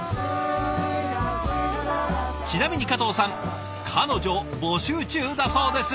ちなみに加藤さん彼女募集中だそうです。